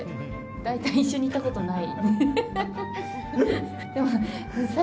大体一緒に行ったことない。